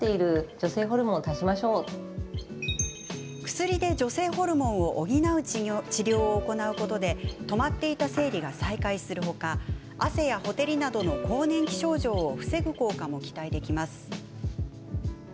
薬で女性ホルモンを補う治療を行うことで止まっていた生理が再開する他汗や、ほてりなどの更年期症状を防ぐ効果も期待できます。